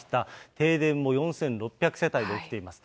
停電も４６００世帯で起きています。